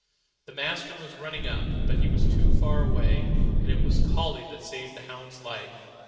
The master was running up, but was too far away; and it was Collie that saved the hound's life.